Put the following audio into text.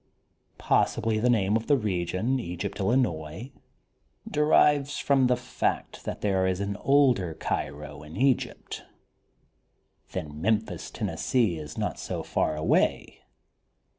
^ Possibly the name of the region, 'Egypt, Illinois* derives from the fact that there is an older Cairo, in Egypt. Then Memphis, Tennessee is not so far away.